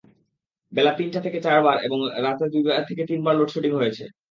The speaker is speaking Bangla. বেলা তিনটা থেকে চারবার এবং রাতে দুই থেকে তিনবার লোডশেডিং হয়েছে।